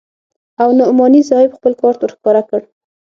او نعماني صاحب خپل کارت ورښکاره کړ.